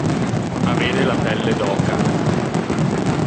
Avere la pelle d'oca.